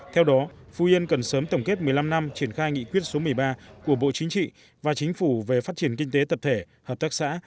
theo đó phú yên cần sớm tổng kết một mươi năm năm triển khai nghị quyết số một mươi ba của bộ chính trị và chính phủ về phát triển kinh tế tập thể hợp tác xã